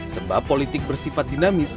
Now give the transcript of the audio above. sebab politik bersifat dinamis